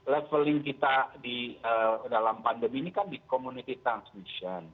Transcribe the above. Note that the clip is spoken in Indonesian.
leveling kita di dalam pandemi ini kan di community transmission